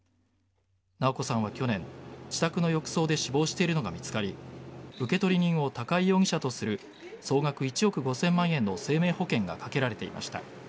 直子さんは去年、自宅の浴槽で死亡しているのが見つかり受取人を高井容疑者とする総額１億５０００万円の生命保険がかけられていました。